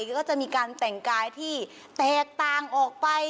ก็จะมีการแต่งกายที่แตกต่างออกไป